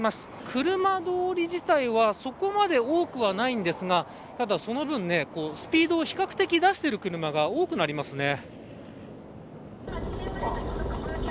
車通り自体はそこまで多くはないんですがただ、その分スピードを比較的出してる車が多くなりますね。